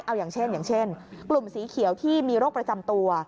เอาอย่างเช่นกลุ่มสีเขียวที่มีโรคประจำตัว